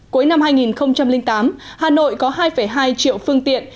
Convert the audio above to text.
cuối năm hai nghìn tám hà nội có hai hai triệu phương tiện